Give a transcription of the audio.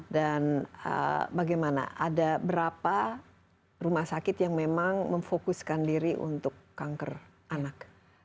dan bagaimana ada berapa rumah sakit yang memang memfokuskan diri untuk kanker anak